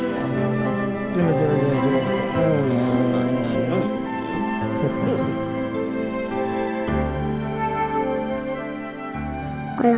jangan lelah jangan lelah